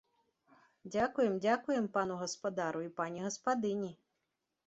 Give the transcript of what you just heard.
Дзякуем, дзякуем пану гаспадару і пані гаспадыні!